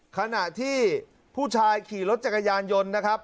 ขณะที่ผู้ชายขี่รถจักรยานยนต์นะครับ